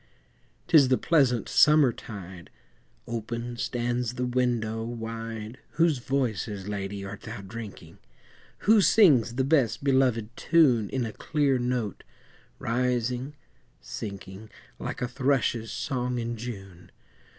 'Tis the pleasant summertide, Open stands the window wide Whose voices, Lady, art thou drinking? Who sings the best belovèd tune In a clear note, rising, sinking, Like a thrush's song in June?